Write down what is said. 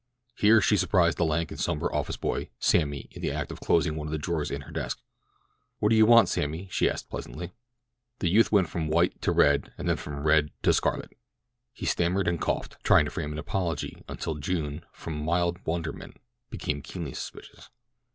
Here she surprised the lank and somber office boy, Sammy, in the act of closing one of the drawers of her desk. "What do you want, Sammy?" she asked pleasantly. The youth went from white to red, and from red to scarlet. He stammered and coughed—trying to frame an apology, until June, from mild wonderment, became keenly suspicious.